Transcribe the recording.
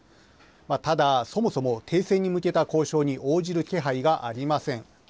ただ、そもそも停戦に向けた交渉に応じる気配がありません。